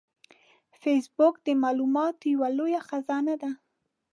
فېسبوک د معلوماتو یو لوی خزانه ده